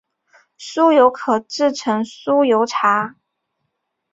酥油可制成酥油茶。